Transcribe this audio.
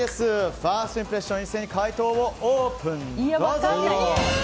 ファーストインプレッション一斉に解答をオープン。